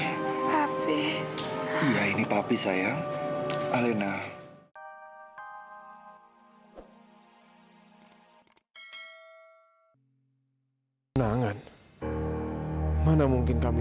soalnya kalau aku disini terus aku bisa emosi dengerin kamu